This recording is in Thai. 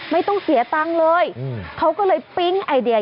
ไม่ต้องเสียตังค์เลยเขาก็เลยปิ๊งไอเดีย